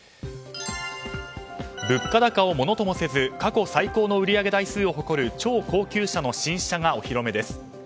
物価高をものともせず過去最高の売り上げを誇る超高級車の新車がお披露目です。